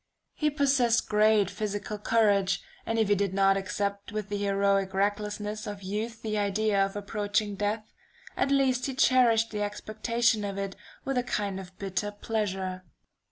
He possessed great physical courage, and if he did not accept with the heroic recklessness of youth the idea of approaching death, at least he cherished the expectation of it with a kind of bitter pleasure."...